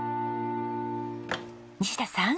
西田さん。